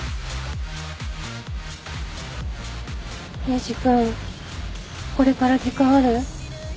エイジ君これから時間ある？